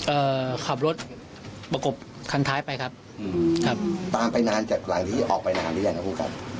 เอ่อขับรถประกบคันท้ายไปครับครับตามไปนานจากหลังที่ออกไปนานที่นี่นะครับ